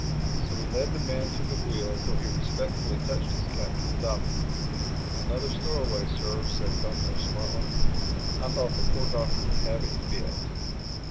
So we led the man to the wheel where he respectfully touched his cap to the Doctor. "Another stowaway, Sir," said Bumpo smartly. I thought the poor Doctor would have a fit.